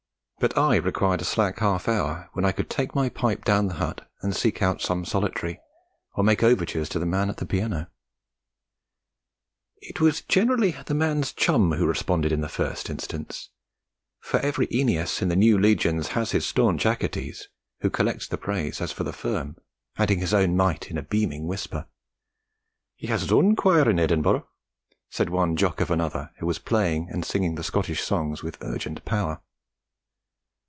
But I required a slack half hour when I could take my pipe down the hut and seek out some solitary, or make overtures to the man at the piano. It was generally the man's chum who responded in the first instance; for every Æneas in the new legions has his staunch Achates, who collects the praise as for the firm, adding his own mite in a beaming whisper. 'He has his own choir in Edinburgh,' said one Jock of another who was playing and singing the Scottish songs with urgent power.